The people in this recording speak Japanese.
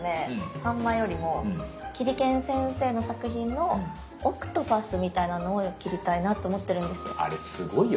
サンマよりも切り剣先生の作品の「海蛸子」みたいなのを切りたいなと思ってるんですよ。